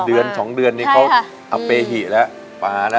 ปกติเนี่ยเดือน๒เดือนเนี่ยเขาเอาเป่หิแล้วปาแล้ว